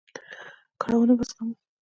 کړاوونه به زغمو.